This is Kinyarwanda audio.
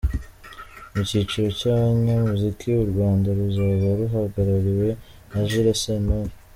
Mu cyiciro cy’abanyamuziki, u Rwanda ruzaba ruhagarariwe na Jules Sentore.